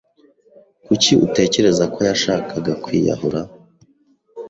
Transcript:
Kuki utekereza ko yashakaga kwiyahura?